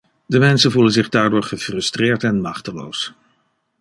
De mensen voelen zich daardoor gefrustreerd en machteloos.